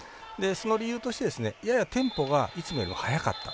その理由として、ややテンポがいつもよりも早かった。